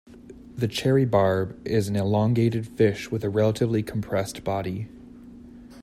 The cherry barb is an elongated fish with a relatively compressed body.